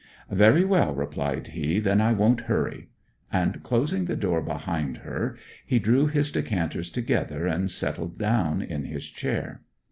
'Very well,' replied he. 'Then I won't hurry.' And closing the door behind her, he drew his decanters together and settled down in his chair.